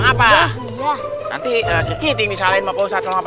nanti sri kiti misalnya mau bawa satu apa apa